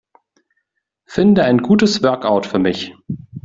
Finde ein gutes Workout für mich.